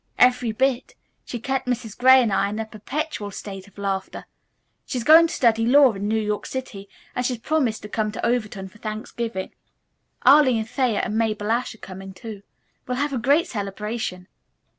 "Every bit. She kept Mrs. Gray and I in a perpetual state of laughter. She's going to study law in New York City, and she's promised to come to Overton for Thanksgiving. Arline Thayer and Mabel Ashe are coming too. We'll have a great celebration."